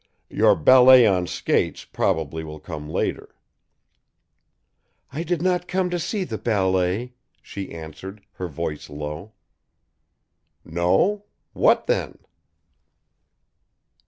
"Your ballet on skates probably will come later." "I did not come to see the ballet," she answered, her voice low. "No? What, then?"